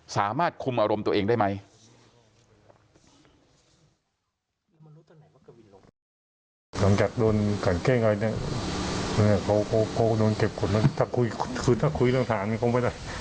สามารถคุมอารมณ์ตัวเองได้ไหม